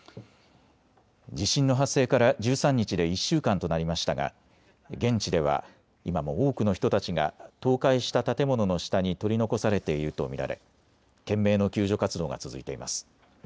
地震の発生から１３日で１週間となりましたが、現地では今も多くの人たちが倒壊した建物の下に取り残されていると見られ懸命の救助活動が続いています。